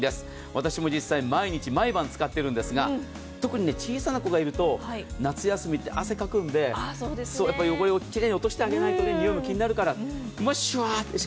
私も実際毎日、毎晩使っているんですが特に小さな子がいると夏休みって汗かくので汚れも奇麗に落としてあげないと臭いも気になるから。